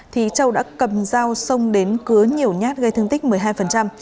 thì châu đã cầm dao xông đến cứa nhiều nhát gây thương tích một mươi hai